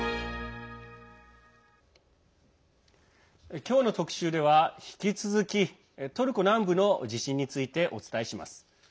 今日の特集では、引き続きトルコ南部の地震についてお伝えします。